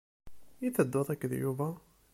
I tedduḍ akked Yuba?